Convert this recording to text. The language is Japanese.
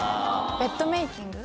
ベッドメイキング。